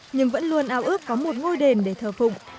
nhưng vẫn luôn ao ước có một ngôi đền để thờ phụng